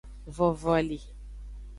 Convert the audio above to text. Vovoli.